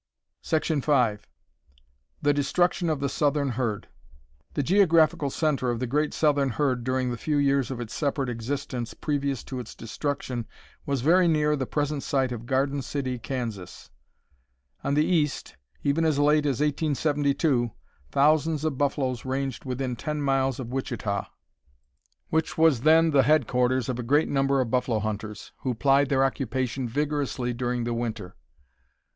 5. The destruction of the southern herd. The geographical center of the great southern herd during the few years of its separate existence previous to its destruction was very near the present site of Garden City, Kansas. On the east, even as late as 1872, thousands of buffaloes ranged within 10 miles of Wichita, which was then the headquarters of a great number of buffalo hunters, who plied their occupation vigorously during the winter.